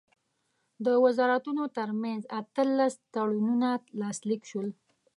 د وزارتونو ترمنځ اتلس تړونونه لاسلیک شول.